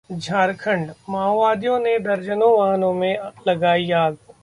झारखंड: माओवादियों ने दर्जनों वाहनों में लगाई आग